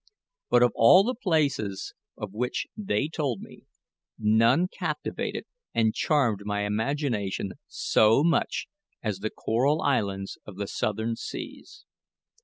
But of all the places of which they told me, none captivated and charmed my imagination so much as the Coral Islands of the Southern Seas.